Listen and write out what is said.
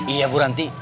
iya bu ranti